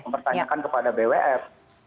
pertanyakan kepada bwf